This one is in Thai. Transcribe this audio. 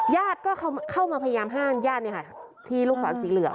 ญาติก็เข้าเข้ามาพยายามห้างญาตินี่ค่ะที่ลูกศาลสีเหลือง